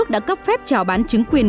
đã cấp phép trò bán trứng quyền